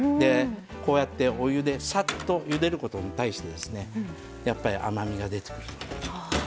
こうやってお湯でサッとゆでることに対してやっぱり甘みが出てくるので。